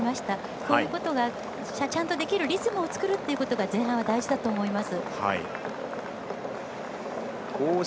こういうことがちゃんとできるリズムを作るっていうことが前半は大事だと思います。